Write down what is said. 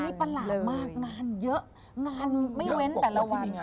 นี่ประหลาดมากงานเยอะงานไม่เว้นแต่ละวัน